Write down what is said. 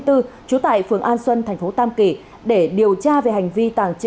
trú tại phường an xuân tp tam kỳ tỉnh quảng nam